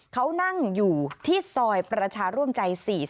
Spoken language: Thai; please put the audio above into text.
เขานั่งอยู่ที่ซอยประชาร่วมใจ๔๐